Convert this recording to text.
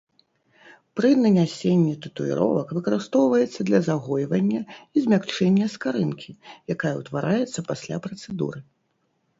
Пры нанясенні татуіровак выкарыстоўваецца для загойвання і змякчэння скарынкі, якая ўтвараецца пасля працэдуры.